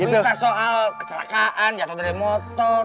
minta soal kecelakaan jatuh dari motor